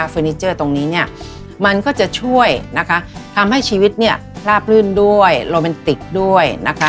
เฟอร์นิเจอร์ตรงนี้มันก็จะช่วยทำให้ชีวิตราบลื่นโรแมนติกด้วย